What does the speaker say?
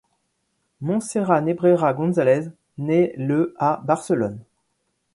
Montserrat Nebrera González naît le à Barcelone.